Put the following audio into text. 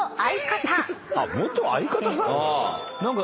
あっ元相方さん？